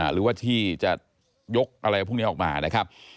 หรือว่าที่จะยกอะไรพวกนี้ออกมานะครับ